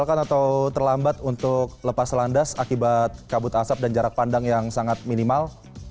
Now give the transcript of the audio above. atau terlambat untuk lepas landas akibat kabut asap dan jarak pandang yang sangat minimal